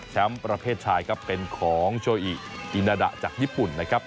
ประเภทชายครับเป็นของโชอิอินาดะจากญี่ปุ่นนะครับ